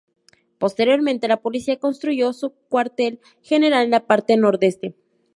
Posteriormente, la policía construyó su cuartel general en la parte nordeste.